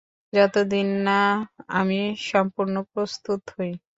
যতদিন না আমি সম্পূর্ণ প্রস্তুত হই।